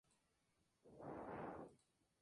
La Catedral de Wawel es el santuario nacional polaco.